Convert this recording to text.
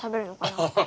アハハハ！